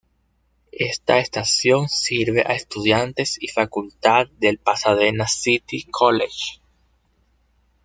Esta estación sirve a estudiantes y facultad del Pasadena City College.